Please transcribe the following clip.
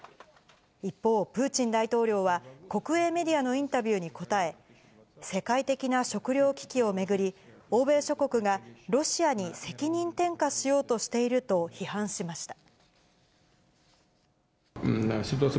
一方、プーチン大統領は、国営メディアのインタビューに答え、世界的な食糧危機を巡り、欧米諸国がロシアに責任転嫁しようとしていると批判しました。